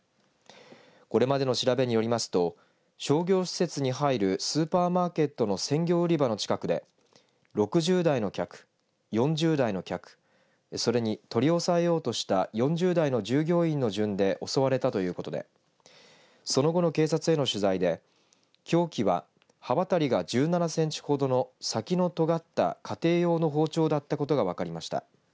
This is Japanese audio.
これまでの調べによりますと商業施設に入るスーパーマーケットの鮮魚売り場の近くで６０代の客４０代の客それに取り押さえようとした４０代の従業員の順で襲われたということでその後の警察への取材で凶器は刃渡りが１７センチほどの先のとがった家庭用の包丁だったことが分かりました。